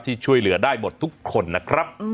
ช่วยเหลือได้หมดทุกคนนะครับ